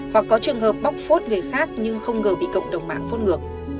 hoặc có trường hợp bóc phốt người khác nhưng không ngờ bị cộng đồng mạng phớt ngược